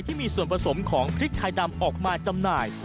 ที่มีส่วนผสมของพริกไทยดำออกมาจำหน่าย